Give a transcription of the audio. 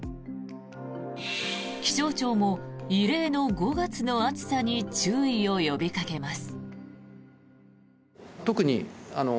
気象庁も、異例の５月の暑さに注意を呼びかけます。